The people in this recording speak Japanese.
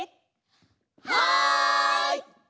はい！